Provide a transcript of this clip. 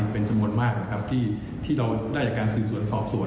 เป็นจำนวนมากนะครับที่เราได้จากการสืบสวนสอบสวน